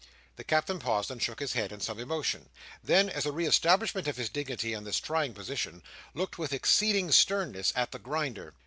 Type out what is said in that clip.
'" The Captain paused and shook his head in some emotion; then, as a re establishment of his dignity in this trying position, looked with exceeding sternness at the Grinder.